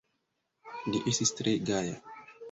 Li estis tre gaja.